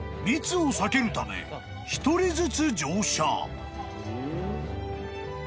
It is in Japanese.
［密を避けるため１人ずつ乗車］